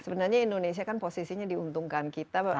sebenarnya indonesia kan posisinya diuntungkan kita